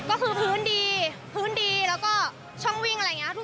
ก็คือพื้นดีพื้นดีแล้วก็ช่องวิ่งอะไรอย่างนี้